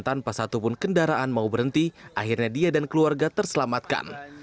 tanpa satupun kendaraan mau berhenti akhirnya dia dan keluarga terselamatkan